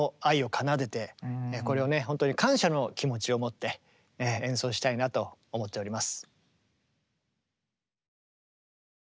本当に感謝の気持ちを持って演奏したいなと思っております。